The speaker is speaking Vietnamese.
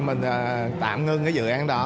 mình tạm ngưng cái dự án đó